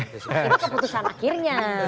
itu keputusan akhirnya